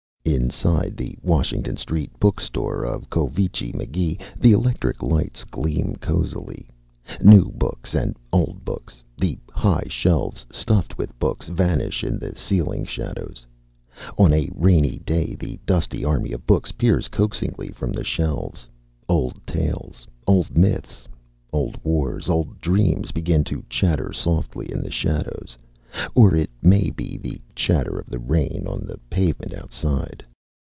Inside the Washington Street book store of Covici McGee the electric lights gleam cozily. New books and old books the high shelves stuffed with books vanish in the ceiling shadows. On a rainy day the dusty army of books peers coaxingly from the shelves. Old tales, old myths, old wars, old dreams begin to chatter softly in the shadows or it may be the chatter of the rain on the pavement outside.